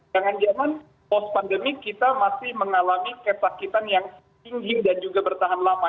jangan jangan post pandemi kita masih mengalami kesakitan yang tinggi dan juga bertahan lama